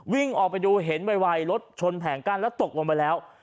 วิ่งออกไปดูเห็นไวรถชนแผงกั้นแล้วตกลงไปแล้ว